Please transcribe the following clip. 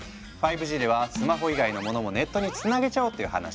５Ｇではスマホ以外のモノもネットにつなげちゃおうっていう話。